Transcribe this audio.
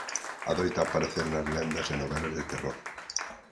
Adoita aparecer nas lendas e novelas de terror.